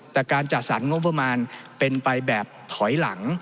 แต่การจัดสรรงบประมาณเป็นไปแบบถอยหลัง